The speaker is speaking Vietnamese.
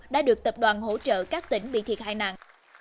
đã được tập đoàn hỗ trợ các tỉnh bị thiệt hại nặng